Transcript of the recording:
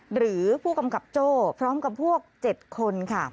หรือผู้กำกับโจ้พร้อมกับพวก๗คนค่ะ